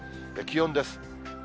気温です。